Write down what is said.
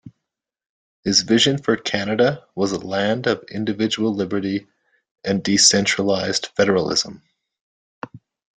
His vision for Canada was a land of individual liberty and decentralized federalism.